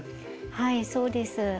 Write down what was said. はいそうです。